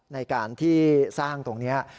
ในการที่สร้างตรงนี้